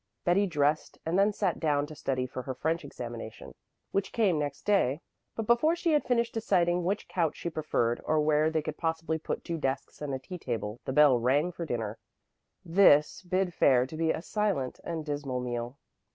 Betty dressed and then sat down to study for her French examination, which came next day; but before she had finished deciding which couch she preferred or where they could possibly put two desks and a tea table, the bell rang for dinner. This bid fair to be a silent and dismal meal.